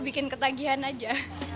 bikin ketagihan aja